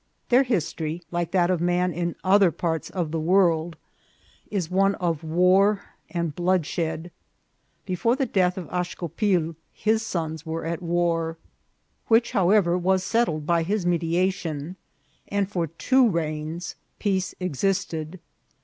Their history, like that of man in other parts of the world, is one of war and bloodshed. Before the death of Axcopii his sons were at war, which, however, was settled by his mediation, and for two reigns peace ex isted.